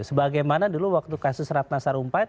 sebagaimana dulu waktu kasus ratnasar iv juga begitu